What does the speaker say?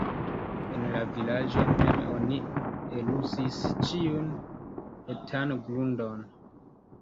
En la vilaĝo mem oni eluzis ĉiun etan grundon.